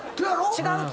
違う。